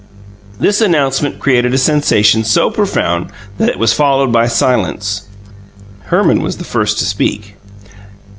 This announcement created a sensation so profound that it was followed by silence. Herman was the first to speak.